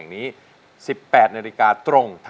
หนูรู้สึกดีมากเลยค่ะ